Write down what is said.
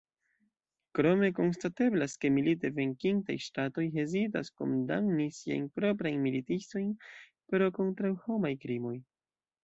Krome konstateblas, ke milite venkintaj ŝtatoj hezitas kondamni siajn proprajn militistojn pro kontraŭhomaj krimoj.